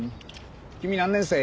君何年生？